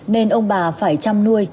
nên ông bà phải chăm nuôi